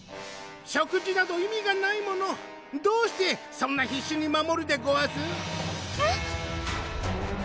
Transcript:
食事など意味がないものどうしてそんな必死に守るでごわすえっ？